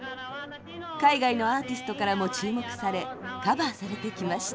海外のアーティストからも注目されカバーされてきました。